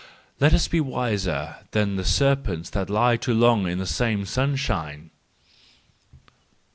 Let us be wiser than the serpents that lie too long in the same sunshine.